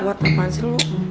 kuat apaan sih lo